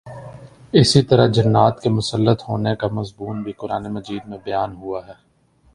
اسی طرح جنات کے مسلط ہونے کا مضمون بھی قرآنِ مجید میں بیان ہوا ہے